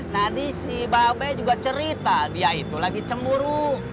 tadi si babe juga cerita dia itu lagi cemburu